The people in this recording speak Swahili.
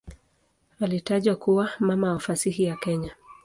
Alitajwa kuwa "mama wa fasihi ya Kenya".